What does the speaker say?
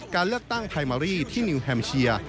การเลือกตั้งไพมารีที่นิวแฮมเชีย